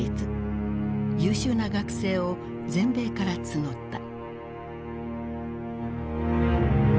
優秀な学生を全米から募った。